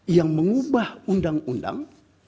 yang mengubah undang undang